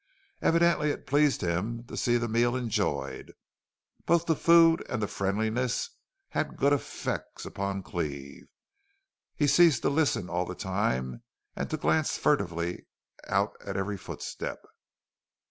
Evidently it pleased him to see the meal enjoyed. Both the food and the friendliness had good effect upon Jim Cleve. He ceased to listen all the time and to glance furtively out at every footstep.